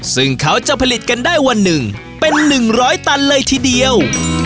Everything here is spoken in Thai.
ซึ่งเขาจะผลิตกันได้วันหนึ่งเป็น๑๐๐ตันเลยทีเดียว